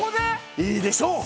いいでしょう！